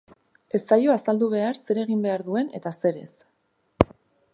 Ez zaio azaldu behar zer egin behar duen eta zer ez.